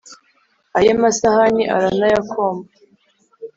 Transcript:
Aye masahani aranayakomba!